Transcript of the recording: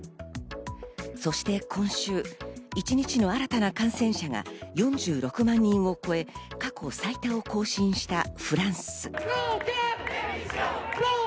そして今週、一日の新たな感染者が４６万人を超え、過去最多を更新したフランス。